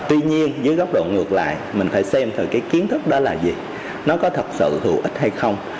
tuy nhiên dưới góc độ ngược lại mình phải xem thử cái kiến thức đó là gì nó có thật sự hữu ích hay không